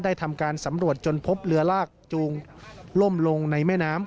ทำการสำรวจจนพบเรือลากจูงล่มลงในแม่น้ำ